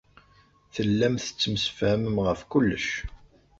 Tellam tettemsefhamem ɣef kullec.